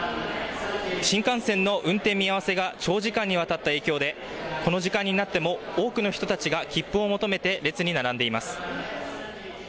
新幹線の運転見合わせが長時間にわたった影響でこの時間になっても多くの人たちが切符を求めて列に並んでいます。